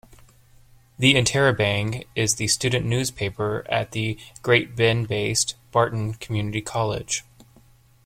The "Interrobang" is the student newspaper at the Great Bend-based Barton Community College.